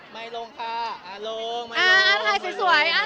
ไมด์ลงค่ะลง